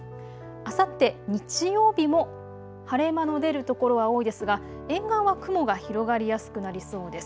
あさって日曜日も晴れ間の出る所は多いですが沿岸は雲が広がりやすくなりそうです。